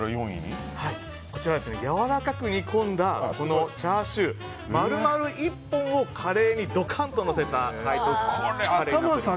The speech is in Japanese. こちら、やわらかく煮込んだこのチャーシュー丸々１本をカレーにドカンとのせた背徳カレーです。